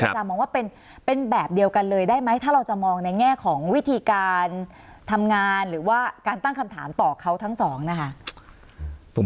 มองว่าเป็นแบบเดียวกันเลยได้ไหมถ้าเราจะมองในแง่ของวิธีการทำงานหรือว่าการตั้งคำถามต่อเขาทั้งสองนะคะ